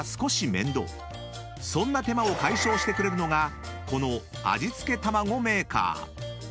［そんな手間を解消してくれるのがこの味付けたまごメーカー］